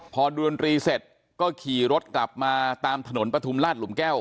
พอดวนตรีเสร็จก็ขี่รถกลับมาตามถนนปฐุมราชหลุมแก้ว